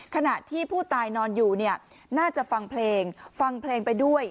ขณะที่ผู้ตายนอนอยู่เนี่ยน่าจะฟังเพลงฟังเพลงไปด้วย